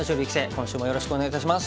今週もよろしくお願いいたします。